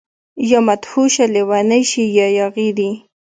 يا مدهوشه، لیونۍ شي يا ياغي دي